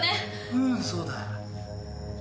うんそうだ。